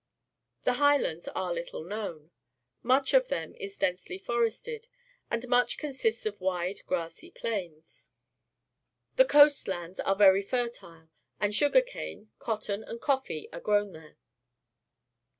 The High lands are little known. Much of them is densely forested, and much consists of wide, grassy plains. The coast lands are very fertile, and sugar cane, cotton, and c^ee are grown there.